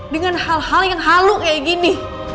dengan hal hal yang halu kayak gini